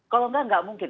kalau enggak nggak mungkin